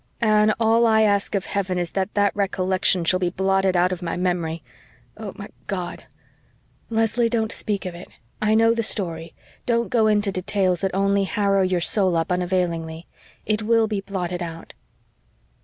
Anne, all I ask of heaven is that that recollection shall be blotted out of my memory. O my God!" "Leslie, don't speak of it. I know the story don't go into details that only harrow your soul up unavailingly. It WILL be blotted out."